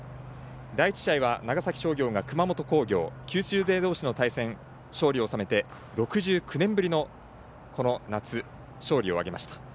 第１試合は長崎商業を熊本工業九州勢どうしの対戦で勝利を収めて６９年ぶりのこの夏、勝利を挙げました。